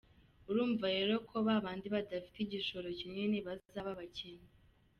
urumva rero ko babandi badafite igishoro kinini bazaba abakene.